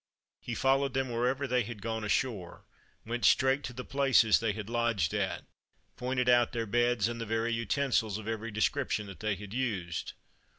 He followed them wherever they had gone ashore, went straight to the places they had lodged at, pointed out their beds, and the very utensils of every description that they had used.